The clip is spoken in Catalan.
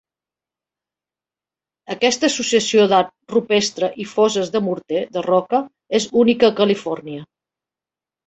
Aquesta associació d'art rupestre i fosses de morter de roca és única a Califòrnia.